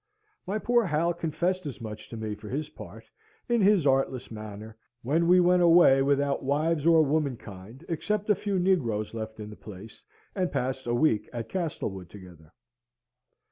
My poor Hal confessed as much to me, for his part, in his artless manner, when we went away without wives or womankind, except a few negroes left in the place, and passed a week at Castlewood together.